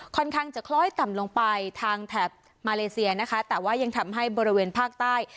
ค่อนข้างจะคล้อยต่ำลงไปทางแถบมาเลเซียนะคะแต่ว่ายังทำให้บริเวณภาคใต้